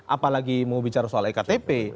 apalagi mau bicara soal ektp